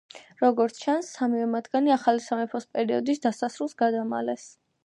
როგორც ჩანს, სამივე მათგანი ახალი სამეფოს პერიოდის დასასრულს გადამალეს.